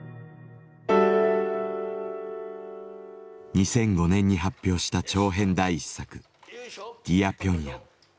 ２００５年に発表した長編第１作「ディア・ピョンヤン」。